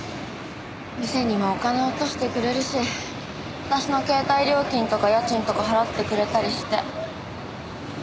店にはお金落としてくれるし私の携帯料金とか家賃とか払ってくれたりして。